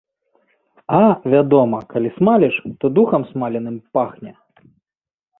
А, вядома, калі смаліш, то духам смаленым пахне.